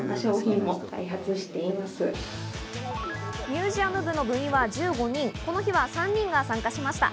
ミュージアム部の部員は１５人、この日は３人が参加しました。